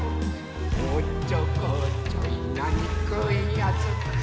「おっちょこちょいなにくいやつ」